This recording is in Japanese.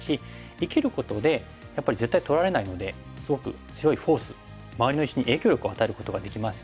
生きることでやっぱり絶対取られないのですごく強いフォース周りの石に影響力を与えることができますよね。